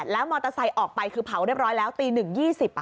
แล้วมอเตอร์ไซค์ออกไปคือเผาเรียบร้อยแล้วตี๑๒๐